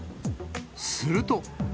すると。